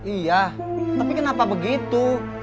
iya tapi kenapa begitu